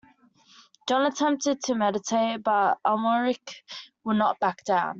John attempted to mediate but Amalric would not back down.